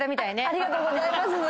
ありがとうございます。